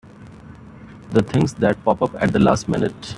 The things that pop up at the last minute!